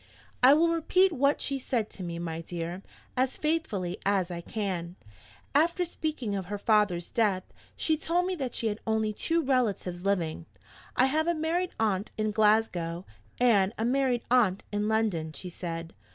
"I will repeat what she said to me, my dear, as faithfully as I can. After speaking of her father's death, she told me that she had only two relatives living. 'I have a married aunt in Glasgow, and a married aunt in London,' she said.